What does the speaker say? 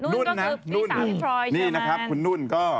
นุ่นนะนุ่นนี่นะครับคุณนุ่นก็